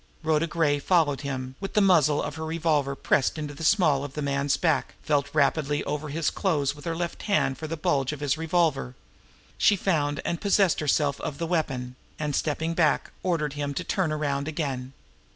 Rhoda Gray followed him, and with the muzzle of her revolver pressed into the small of the man's back, felt rapidly over his clothes with her left hand for the bulge of his revolver. She found and possessed herself of the weapon, and, stepping back, ordered him to turn around again.